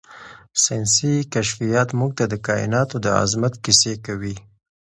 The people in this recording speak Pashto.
ساینسي کشفیات موږ ته د کائناتو د عظمت کیسې کوي.